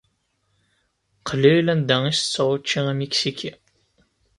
Qlil anda i setteɣ učči amiksiki.